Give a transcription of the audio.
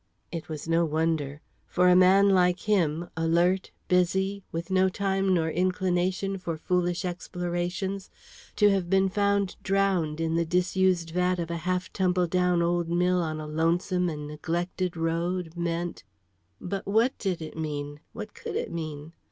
It was no wonder. For a man like him, alert, busy, with no time nor inclination for foolish explorations, to have been found drowned in the disused vat of a half tumbled down old mill on a lonesome and neglected road meant But what did it mean? What could it mean?